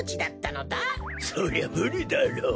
そりゃむりだろう。